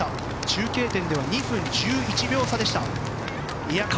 中継点では２分１１秒差でした。